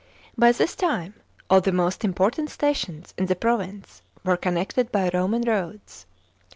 By this time all the most important stations in the province were connected by Roman roads.